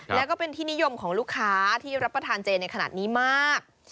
แล้วก็เป็นที่นิยมของลูกค้าที่รับประทานเจในขณะนี้มาก